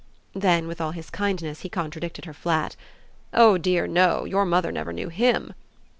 Then, with all his kindness, he contradicted her flat. "Oh dear no; your mother never knew HIM."